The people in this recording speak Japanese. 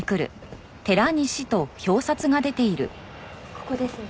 ここですね。